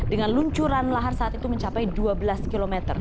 dengan luncuran lahar saat itu mencapai dua belas km